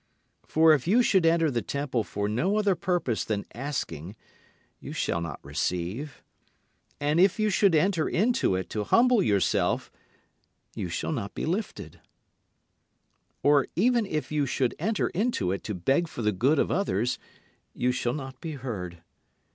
For if you should enter the temple for no other purpose than asking you shall not receive: And if you should enter into it to humble yourself you shall not be lifted: Or even if you should enter into it to beg for the good of others you shall not be heard.